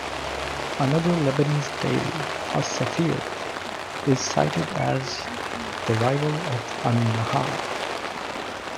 Another Lebanese daily, "As-Safir", is cited as the rival of "An-Nahar".